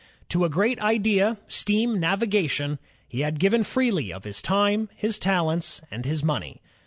To a great idea, — steam navigation, — he had given freely of his time, his talents, and his money.